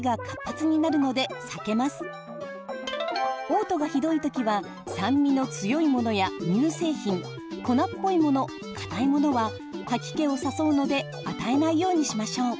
おう吐がひどいときは酸味の強いものや乳製品粉っぽいものかたいものは吐き気を誘うので与えないようにしましょう。